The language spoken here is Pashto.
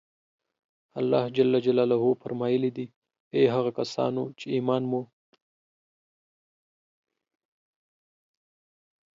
الله جل جلاله فرمایلي دي: اې هغه کسانو چې ایمان مو